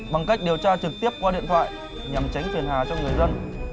bằng cách điều tra trực tiếp qua điện thoại nhằm tránh phiền hà cho người dân